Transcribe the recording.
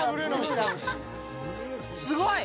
すごい。